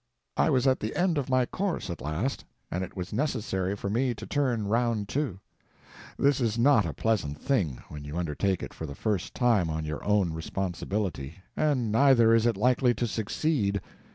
I was at the end of my course, at last, and it was necessary for me to round to. This is not a pleasant thing, when you undertake it for the first time on your own responsibility, and neither is it likely to succeed.